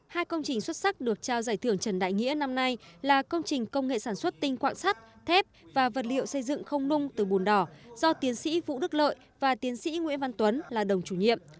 hai công trình xuất sắc được trao giải thưởng trần đại nghĩa năm nay là công trình công nghệ sản xuất tinh quạng sắt thép và vật liệu xây dựng không nung từ bùn đỏ do tiến sĩ vũ đức lợi và tiến sĩ nguyễn văn tuấn là đồng chủ nhiệm